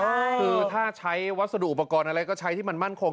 คือถ้าใช้วัสดุอุปกรณ์อะไรก็ใช้ที่มันมั่นคง